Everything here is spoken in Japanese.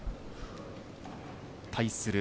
対する